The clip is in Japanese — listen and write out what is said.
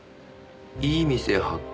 「いい店発見！